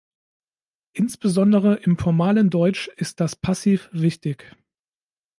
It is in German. Insbesondere im formalen Deutsch ist das Passiv wichtig.